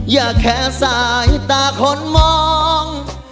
อย่าแค่สายตาคนมอง